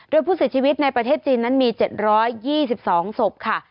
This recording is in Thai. โดยผู้เสียชีวิตในประเทศจีนนั้นมี๗๒๒ศพค่ะ